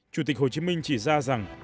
chủ tịch hồ chí minh chỉ ra rằng